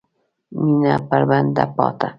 مېنه بربنډه پاته